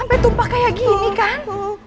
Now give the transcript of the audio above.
sampai tumpah kayak gini kan